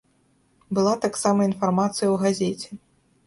Была таксама інфармацыя ў газеце.